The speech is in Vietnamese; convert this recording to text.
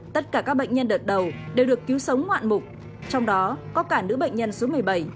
tất cả các bệnh nhân đợt đầu đều được cứu sống ngoạn mục trong đó có cả nữ bệnh nhân số một mươi bảy